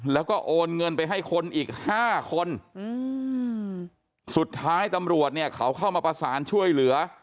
แล้วก็โอนเงินไปให้คนอีก๕คนสุดท้ายตำรวจเนี่ยเขาเข้ามาประสานช่วยเหลือ